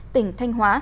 tỉnh thanh hóa